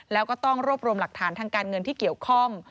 แล้วก็ต้องรวบรวมหลักฐานทางการเงินที่เกี่ยวข้อง